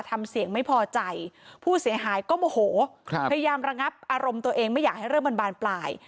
ทำเสียงไม่พอใจผู้เสียหายก็โมโหพยายามระงับอารมณ์ตัวเองไม่อยากให้เรื่องมันบานปลาย